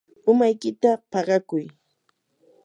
umaykita paqakuy.